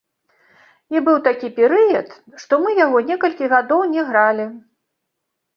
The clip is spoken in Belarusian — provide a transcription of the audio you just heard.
І быў такі перыяд, што мы яго некалькі гадоў не гралі.